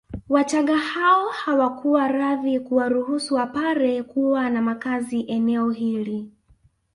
Wachagga hao hawakuwa radhi kuwaruhusu Wapare kuwa na makazi eneo hili